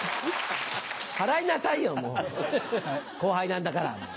払いなさいよもう後輩なんだから。